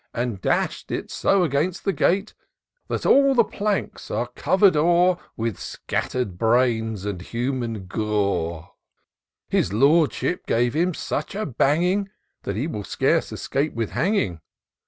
And dash'd it so against the gate, IN SEARCH OF THE PrWtmESQUE. 175 That all the planks are cover'd o'er With scatter'd brains and human gote I His Lordship gave him such a banging. That he will scarce escape with hanging.